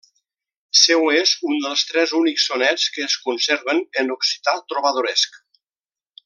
Seu és un dels tres únics sonets que es conserven en occità trobadoresc.